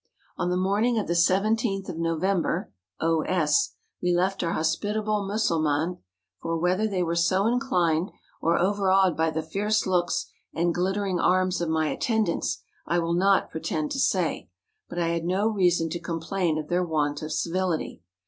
On the morning of the 17 th of Nov. (O.S.) we left our hospitable ^lussulmans ; for whether they were so inclined or overawed by the fierce looks and glittering arms of my attendants, I will not pretend to say, but I had no reason to complain of their want of civility.